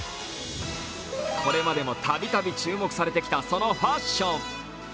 これまでもたびたび注目されてきたそのファッション。